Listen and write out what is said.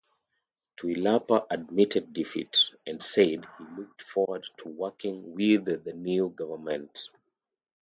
Tuilaepa admitted defeat and said he looked forward to working with the new government.